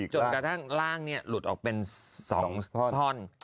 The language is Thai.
จนกระทั่งร่างหลุดออกเป็น๒ท่อน